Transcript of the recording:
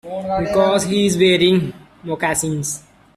Because he's wearing moccasins.